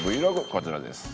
こちらです。